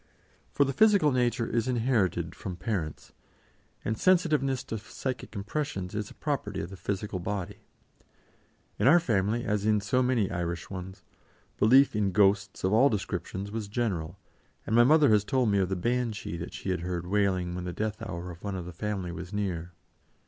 For the physical nature is inherited from parents, and sensitiveness to psychic impressions is a property of the physical body; in our family, as in so many Irish ones, belief in "ghosts" of all descriptions was general, and my mother has told me of the banshee that she had heard wailing when the death hour of one of the family was near.